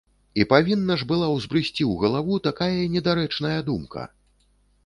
І павінна ж была ўзбрысці ў галаву такая недарэчная думка!